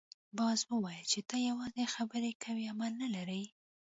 باز وویل چې ته یوازې خبرې کوې عمل نه لرې.